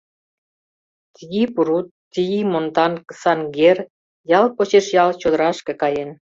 Тьи-Пурут, Тьи-Монтанг, Сангьер, — ял почеш ял чодырашке каен.